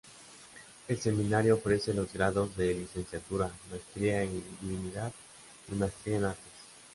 El seminario ofrece los grados de Licenciatura, Maestría en Divinidad, y Maestría en Artes.